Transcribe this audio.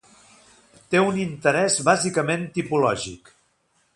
Té un interès bàsicament tipològic.